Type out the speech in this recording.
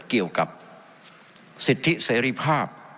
เกี่ยวกับสิทธิเสรีภาพ